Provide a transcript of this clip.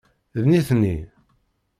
D nitni.